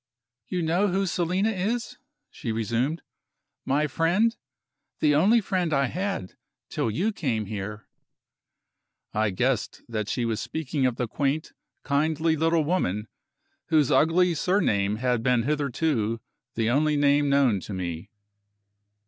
"You know who Selina is?" she resumed. "My friend! The only friend I had, till you came here." I guessed that she was speaking of the quaint, kindly little woman, whose ugly surname had been hitherto the only name known to me.